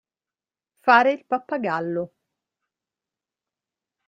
Fare il pappagallo.